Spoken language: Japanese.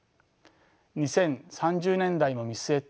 ２０３０年代も見据えた